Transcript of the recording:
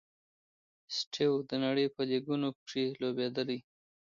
سټیو و د نړۍ په لیګونو کښي لوبېدلی.